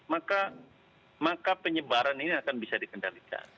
maka penyebaran ini akan bisa dikendalikan